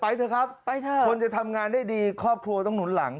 เถอะครับไปเถอะคนจะทำงานได้ดีครอบครัวต้องหนุนหลัง